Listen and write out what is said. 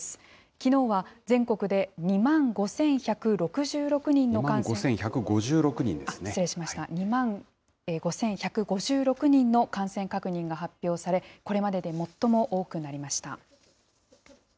きのうは全国で２万５１５６人の感染確認が発表され、これまでで最も多くなりました。